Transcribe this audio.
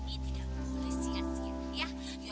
pokoknya perjodohan ini tidak boleh sia sia ya